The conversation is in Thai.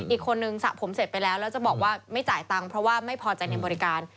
อีกคนนึงสระผมเสร็จไปแล้วแล้วจะบอกว่าไม่จ่ายตังค์เพราะว่าไม่พอใจในบริการ